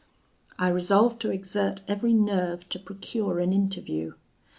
"I resolved to exert every nerve to procure an interview.